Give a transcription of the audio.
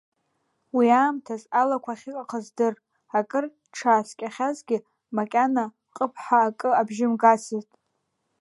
Уи аамҭаз алақәа ахьыҟахыз дыр, акыр дшааскьахьазгьы, макьана ҟыԥҳәа акы абжьы мгацызт.